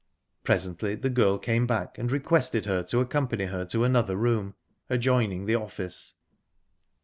Presently the girl came back, and requested her to accompany her to another room, adjoining the office.